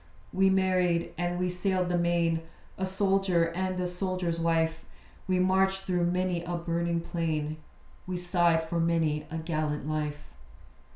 We married, and we sailed the main; A soldier, and a soldier's wife. We marched through many a burning plain; We sighed for many a gallant life.